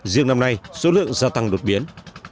riêng năm nay số lượng gia tăng đột biến